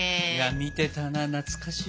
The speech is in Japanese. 見てたな懐かしい。